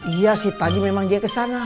iya sih tadi memang dia kesana